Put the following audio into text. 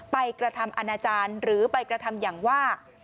กระทำอนาจารย์หรือไปกระทำอย่างว่า